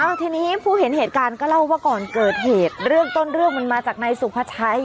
เอาทีนี้ผู้เห็นเหตุการณ์ก็เล่าว่าก่อนเกิดเหตุเรื่องต้นเรื่องมันมาจากนายสุภาชัย